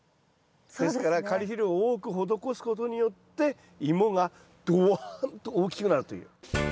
ですからカリ肥料を多く施すことによってイモがどわんと大きくなるという。